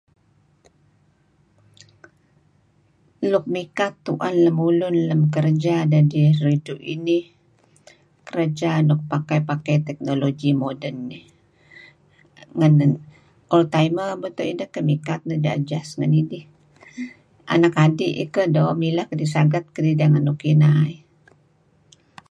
Luk mikat tu'en lemulun lem kerja dedih ridtu' inih, kerja nuk pakai-pakai technology moden nih. ngan old timer beto' ideh keh mikat nideh adjust ngan idih. Anak adi' eh koh doo' mileh, saget kedideh ngan nuk kineh eh.